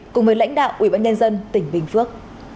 cùng với lãnh đạo ủy ban nhân dân tỉnh bình phước